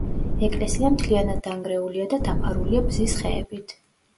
ეკლესია მთლიანად დანგრეულია და დაფარულია ბზის ხეებით.